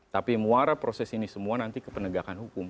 tapi muara proses ini semua nanti ke penegakan hukum